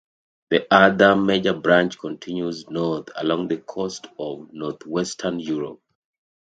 The other major branch continues north along the coast of Northwestern Europe.